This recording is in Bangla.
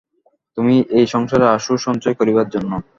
তুমি এই সংসারে আসো সঞ্চয় করিবার জন্য।